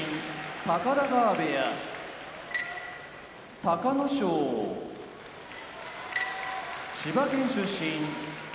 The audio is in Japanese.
高田川部屋隆の勝千葉県出身常盤山部屋